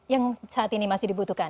yang saat ini masih dibutuhkan